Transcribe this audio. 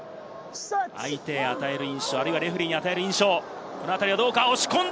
相手に与える印象、あるいはレフェリーに与える印象はどうか？